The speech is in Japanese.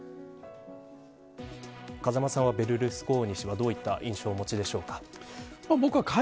風間さんはベルルスコーニ氏にはどういった印象をお持ちでしょうか。